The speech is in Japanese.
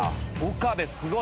岡部すごい。